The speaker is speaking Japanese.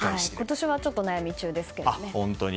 今年はちょっと悩み中ですけどね。